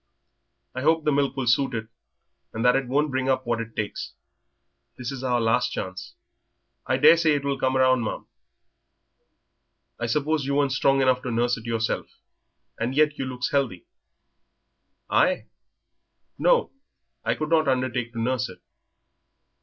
"I hope the milk will suit it, and that it won't bring up what it takes. This is our last chance." "I daresay it will come round, ma'am. I suppose you weren't strong enough to nurse it yourself, and yet you looks healthy." "I? No, I could not undertake to nurse it."